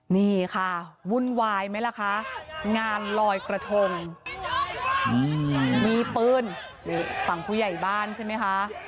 นี่ค่ะวุ่นวายไหมล่ะคะงานลอยกระทงมีปืนนี่ฝั่งผู้ใหญ่บ้านใช่ไหมคะ